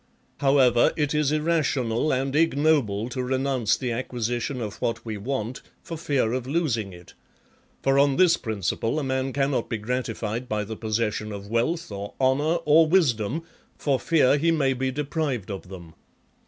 VII. However, it is irrational and ignoble to renounce the acquisition of what we want for fear of losing it ; for on this principle a man cannot be grati fied by the possession of wealth, or honour, or wisdom, for fear he may be deprived of them.